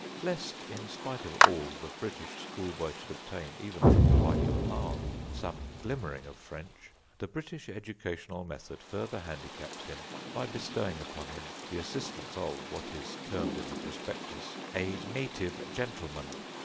Lest, in spite of all, the British schoolboy should obtain, even from the like of "Ahn," some glimmering of French, the British educational method further handicaps him by bestowing upon him the assistance of, what is termed in the prospectus, "A native gentleman."